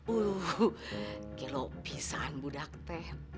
uh gelopisan budak tuh